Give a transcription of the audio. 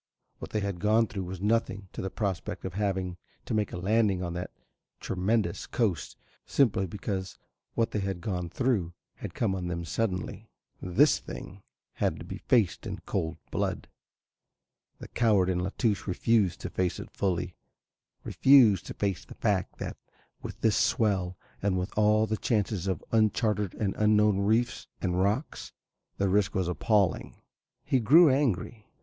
What they had gone through was nothing to the prospect of having to make a landing on that tremendous coast, simply because what they had gone through had come on them suddenly. This thing had to be faced in cold blood. The coward in La Touche refused to face it fully, refused to face the fact that with this swell and with all the chances of uncharted and unknown reefs and rocks the risk was appalling. He grew angry.